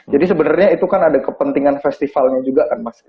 jadi sebenarnya itu kan ada kepentingan festivalnya juga kan mas